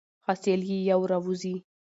حاصل یې یو را وزي.